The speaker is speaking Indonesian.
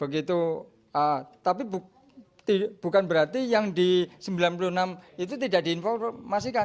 begitu tapi bukan berarti yang di sembilan puluh enam itu tidak diinformasikan